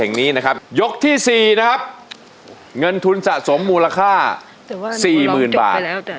แห่งนี้นะครับยกที่๔นะครับเงินทุนสะสมมูลค่า๔๐๐๐บาท